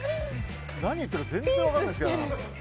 何言ってるか全然分かんない！